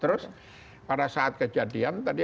terus pada saat kejadian tadi